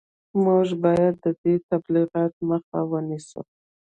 موږ باید د دې تبلیغاتو مخه ونیسو